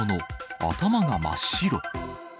頭が真っ白。